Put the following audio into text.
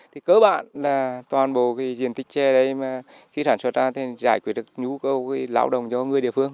thì cơ bản là toàn bộ cái diện tích chè đấy mà khi sản xuất ra thì giải quyết được nhu cầu cái lao động cho người địa phương